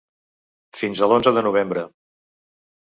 Fins a l’onze de novembre.